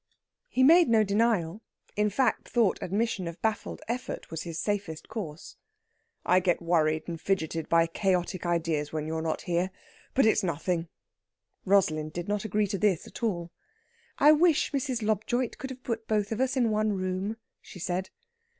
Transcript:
He made no denial; in fact, thought admission of baffled effort was his safest course. "I get worried and fidgeted by chaotic ideas when you're not here. But it's nothing." Rosalind did not agree to this at all. "I wish Mrs. Lobjoit could have put us both in one room," she said.